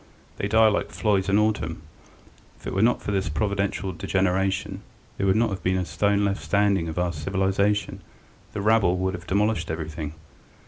They die like flies in autumn. If it were not for this providential degeneration there would not have been a stone left standing of our civilization, the rabble would have demolished everything.